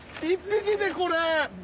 一匹でこれ！